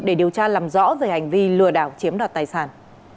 để điều tra làm rõ về hành vi lừa đảo chiếm đoạt tài sản